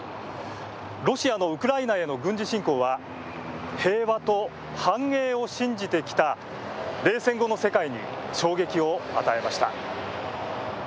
ロシアのウクライナへの軍事侵攻は平和と繁栄を信じてきた冷戦後の世界に衝撃を与えました。